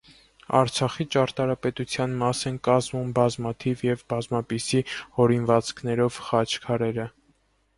Արցախի ճարտարապետության մաս են կազմում բազմաթիվ և բազմապիսի հորինվածքներով խաչքարերը։